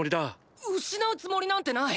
失うつもりなんてない！